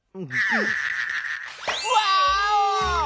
ワーオ！